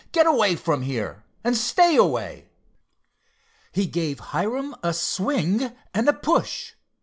"Get away from here, and stay away!" He gave Hiram a swing and a push.